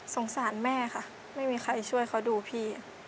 สารแม่ค่ะไม่มีใครช่วยเขาดูพี่